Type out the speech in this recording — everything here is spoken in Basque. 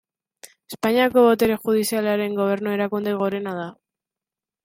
Espainiako botere judizialaren gobernu-erakunde gorena da.